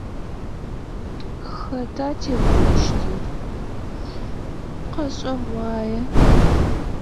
Хэта текӏощтыр? Къэшӏэгъуае.